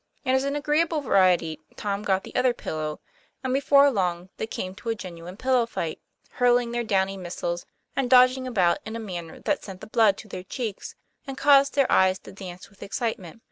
As an agreeable variety, Tom got the other pillow, and before long they came to a genuine pillow fight, hurling their downy missiles, and dodging about in a manner that sent the blood to their cheeks and caused their eyes to dance with excitement.